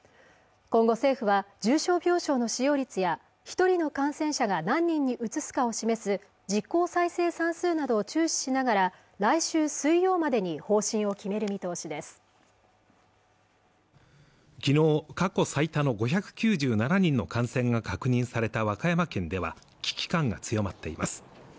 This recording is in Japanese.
今後政府は重症病床の使用率や一人の感染者が何人に移すかを示す実効再生産数などを注視しながら来週水曜までに方針を決める見通しです昨日過去最多の５９７人の感染が確認された和歌山県では危機感が強まっています